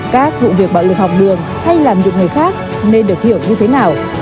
các vụ việc bạo lực học đường hay làm nhụt người khác nên được hiểu như thế nào